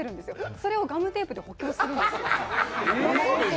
それをガムテープで補強するんです。